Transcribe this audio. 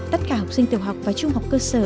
tất cả học sinh tiểu học và trung học cơ sở